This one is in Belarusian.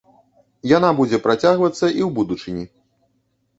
Яна будзе працягвацца і ў будучыні.